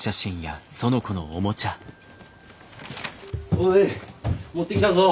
おい持ってきたぞ。